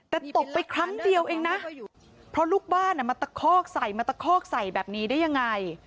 แต่ตบไปครั้งเดียวเองนะเพราะลูกบ้านมาตะคอกใส่มาตะคอกใส่แบบนี้ได้ยังไง